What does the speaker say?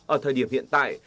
ở thời điểm hiện tại